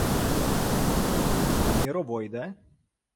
— А Міровой де?